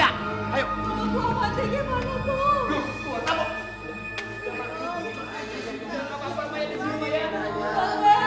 jangan lupa main di sini ya